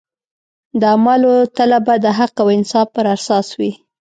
د اعمالو تله به د حق او انصاف پر اساس وي.